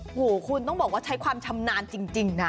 โอ้โหคุณต้องบอกว่าใช้ความชำนาญจริงนะ